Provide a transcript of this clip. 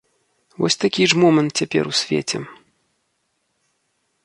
Вось такі ж момант цяпер у свеце.